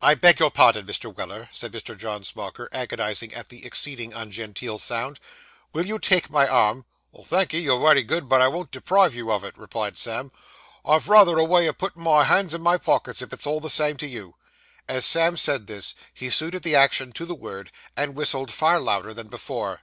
'I beg your pardon, Mr. Weller,' said Mr. John Smauker, agonised at the exceeding ungenteel sound, 'will you take my arm?' 'Thank'ee, you're wery good, but I won't deprive you of it,' replied Sam. 'I've rayther a way o' putting my hands in my pockets, if it's all the same to you.' As Sam said this, he suited the action to the word, and whistled far louder than before.